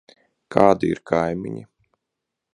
Kādi ir kaimiņi?